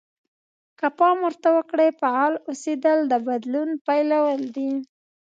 که پام ورته وکړئ فعال اوسېدل د بدلون پيلول دي.